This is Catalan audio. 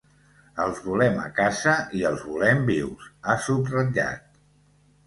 Els volem a casa i els volem vius, ha subratllat.